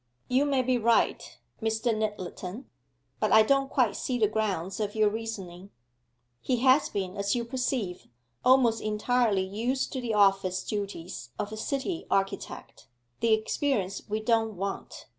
'You may be right, Mr. Nyttleton, but I don't quite see the grounds of your reasoning.' 'He has been, as you perceive, almost entirely used to the office duties of a city architect, the experience we don't want.